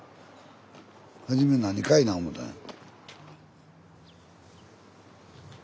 初め何かいな思たんや。